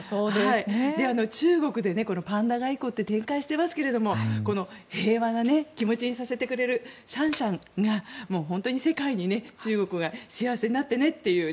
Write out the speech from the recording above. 中国でパンダ外交って展開していますけど平和な気持ちにさせてくれるシャンシャンが本当に世界で中国で幸せになってね